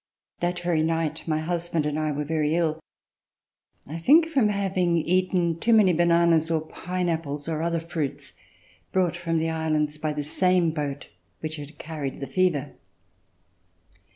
That very night my husband and I were very ill; I think from having eaten too many bananas or pineapples or other fruits brought from the Islands by the same boat which had carried the fever.